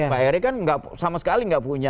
pak erick kan sama sekali nggak punya